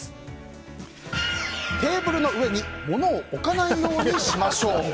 テーブルの上に物を置かないようにしましょう。